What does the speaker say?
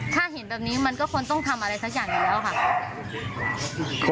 ถ้าเห็นแบบนี้มันก็ควรต้องทำอะไรสักอย่างอยู่แล้วค่ะ